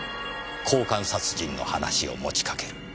交換殺人の話を持ちかける。